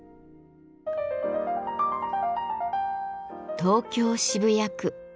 東京・渋谷区。